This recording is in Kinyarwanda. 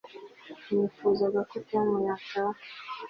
nifuzaga ko tom yataha